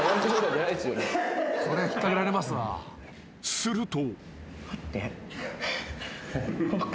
［すると］